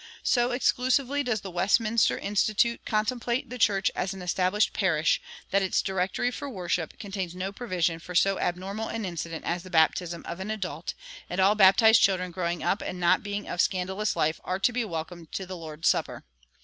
So exclusively does the Westminster institute contemplate the church as an established parish that its "Directory for Worship" contains no provision for so abnormal an incident as the baptism of an adult, and all baptized children growing up and not being of scandalous life are to be welcomed to the Lord's Supper.